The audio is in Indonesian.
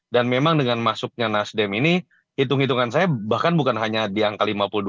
dan memang dengan masuknya nasdem ini hitung hitungan saya bahkan bukan hanya di angka lima puluh dua